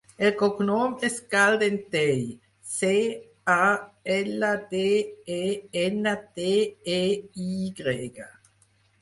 El cognom és Caldentey: ce, a, ela, de, e, ena, te, e, i grega.